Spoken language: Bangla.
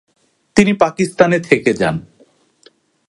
তিনি পাকিস্তানে থেকে যান।